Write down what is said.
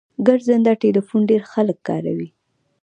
ګرځنده ټلیفون ډیر خلګ کاروي